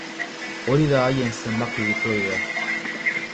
Hori da haien zenbaki diploidea.